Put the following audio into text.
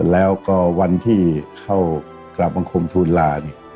แล้วก็วันที่เข้ากราบองค์คมทูลลา